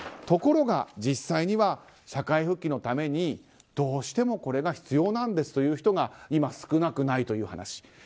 ところが、実際には社会復帰のためにどうしてもこれが必要なんですという人が今少なくないという話。